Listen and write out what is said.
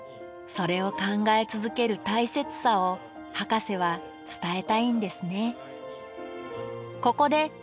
それを考え続ける大切さをハカセは伝えたいんですね。